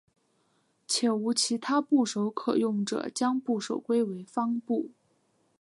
且无其他部首可用者将部首归为方部。